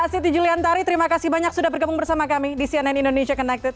siti juliantari terima kasih banyak sudah bergabung bersama kami di cnn indonesia connected